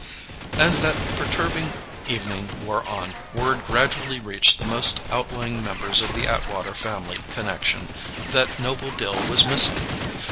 As that perturbing evening wore on, word gradually reached the most outlying members of the Atwater family connection that Noble Dill was missing.